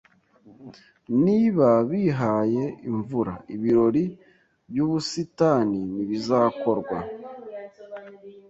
Niba bibaye imvura, ibirori byubusitani ntibizakorwa.